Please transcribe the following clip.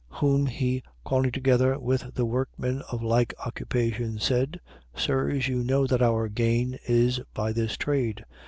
19:25. Whom he calling together with the workmen of like occupation, said: Sirs, you know that our gain is by this trade.